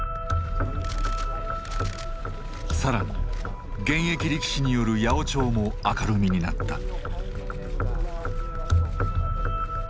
更に現役力士による八百長も明るみになった。